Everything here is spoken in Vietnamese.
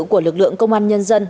của lực lượng công an nhân dân